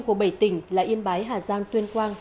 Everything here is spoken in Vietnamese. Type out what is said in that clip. của bảy tỉnh là yên bái hà giang tuyên quang